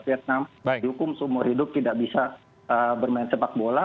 vietnam dihukum seumur hidup tidak bisa bermain sepak bola